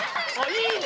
いいね